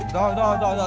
rồi rồi rồi rồi